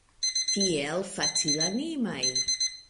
Tiel facilanimaj!